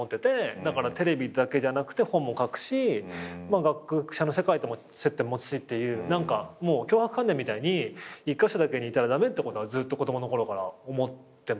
だからテレビだけじゃなくて本も書くし学者の世界とも接点持つしっていう強迫観念みたいに１カ所だけにいたら駄目ってことはずっと子供のころから思ってますね。